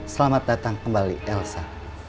selamat datang kembali elsa